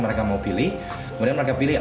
mereka mau pilih kemudian mereka pilih